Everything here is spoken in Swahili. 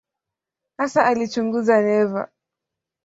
Hasa alichunguza neva.